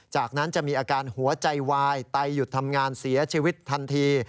จากนั้นจะมีอาการหัวใจวายไตหยุดทำงานเสียชีวิตทันที